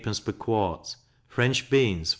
per quart, French beans 4d.